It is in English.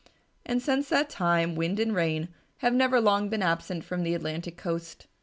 And since that time Wind and Rain have never long been absent from the Atlantic Coast.